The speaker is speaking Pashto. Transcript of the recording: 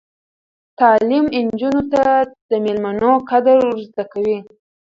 تعلیم نجونو ته د میلمنو قدر ور زده کوي.